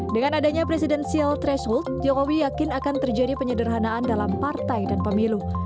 dengan adanya presidensial threshold jokowi yakin akan terjadi penyederhanaan dalam partai dan pemilu